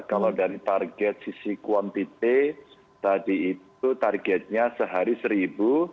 kalau dari target sisi kuantiti tadi itu targetnya sehari seribu